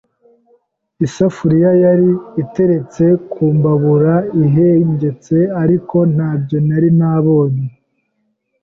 Isafuriya yari iteretse ku mbabura ihengetse ariko ntabyo nari nabonye.